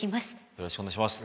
よろしくお願いします。